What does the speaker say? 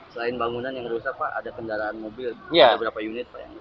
selain bangunan yang rusak pak ada kendaraan mobil ada berapa unit pak